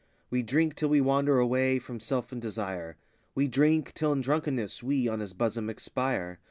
We drink till we wander away from Self and Desire,— We drink till in drunkenness we, on his bosom, expire.